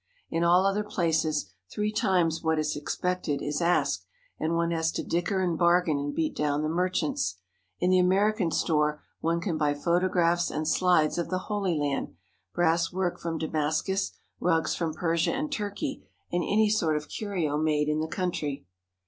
In all other places three times what is expected is asked, and one has to dicker and bargain and beat down the merchants. In the American store one can buy photographs and slides of the Holy Land, brass work from Damascus, rugs from Persia and Turkey, and any sort of curio made in the country.